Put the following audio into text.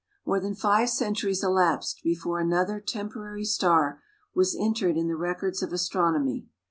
More than five centuries elapsed before another temporary star was entered in the records of astronomy.